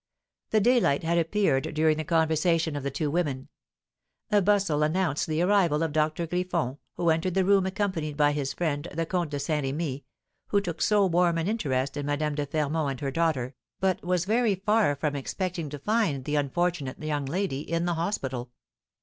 The daylight had appeared during the conversation of the two women. A bustle announced the arrival of Doctor Griffon, who entered the room accompanied by his friend, the Comte de Saint Remy, who took so warm an interest in Madame de Fermont and her daughter, but was very far from expecting to find the unfortunate young lady in the hospital.